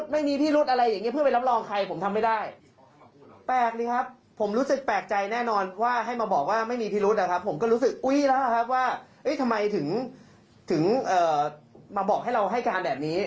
มาบอกให้เราให้การแบบนี้